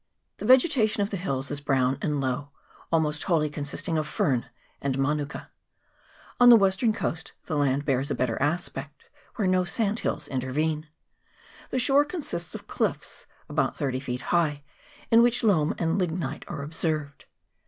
The vegetation of the hills is brown and low, almost wholly consisting of fern and manuka. On the western coast the land wears a better aspect, where no sand hills intervene. The shore consists of cliffs about thirty feet high, in which loam and lignite are observed.